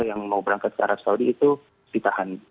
yang mau berangkat ke arab saudi itu ditahan